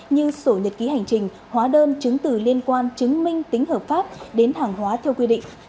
như sổ nhật ký hành trình hóa đơn chứng từ liên quan chứng minh tính hợp pháp đến hàng hóa theo quy định